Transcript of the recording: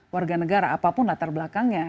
warga negara apapun latar belakangnya